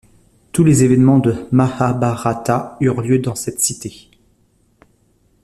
Tous les évènements du Mahābhārata eurent lieu dans cette cité.